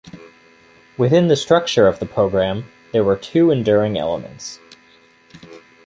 Within the structure of the program, there were two enduring elements.